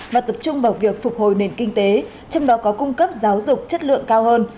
và tập trung vào việc phục hồi nền kinh tế trong đó có cung cấp giáo dục chất lượng cao hơn